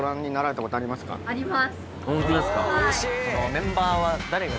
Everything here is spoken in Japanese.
メンバーは。